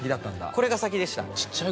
これが先でした。